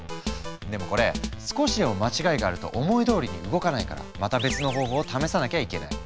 でもこれ少しでも間違いがあると思いどおりに動かないからまた別の方法を試さなきゃいけない。